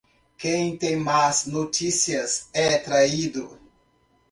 Quem tem más notícias é traído.